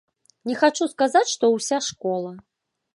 Не хачу сказаць, што ўся школа.